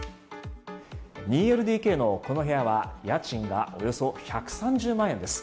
２ＬＤＫのこの部屋は家賃がおよそ１３０万円です。